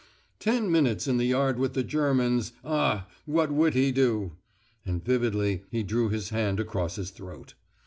'Ten minutes in the yard with the Germans ah! what would he do!' And vividly he drew his hand across his throat.